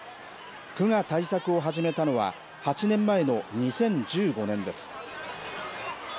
区が対策を始めたのは８年前の２０１５年です。